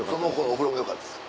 お風呂もよかったです